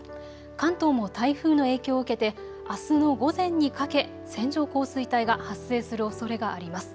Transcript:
関東も台風の影響を受けてあすの午前にかけ線状降水帯が発生するおそれがあります。